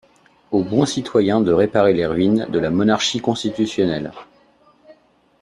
Aux bons citoyens de réparer les ruines de la monarchie constitutionnelle.